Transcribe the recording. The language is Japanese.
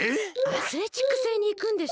アスレチック星にいくんでしょ？